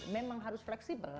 memang harus fleksibel